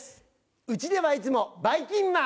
家ではいつもばいきんまん。